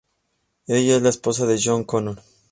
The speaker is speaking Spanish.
Ella es la esposa de John Connor.